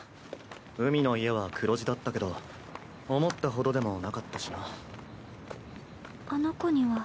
海の家は黒字だったけど思ったほどでもなかったしな。